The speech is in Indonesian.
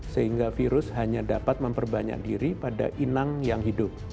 sehingga virus hanya dapat memperbanyak diri pada inang yang hidup